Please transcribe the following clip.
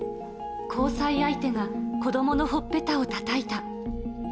交際相手が子どものほっぺたをたたいた。